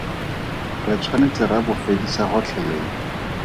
Re tshwanetse ra bo fedisa gotlhelele.